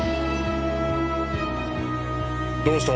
・どうした？